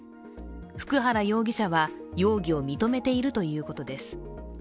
福原容疑者は、容疑を認めているということです。